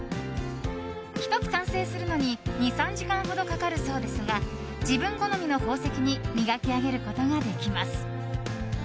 １つ完成するのに２３時間ほどかかるそうですが自分好みの宝石に磨き上げることができます。